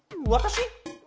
わたし？